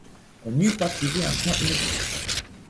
On n'eût pas trouvé un coin inoccupé.